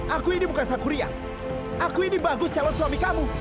aku ini bukan sakuriah aku ini bagus calon suami kamu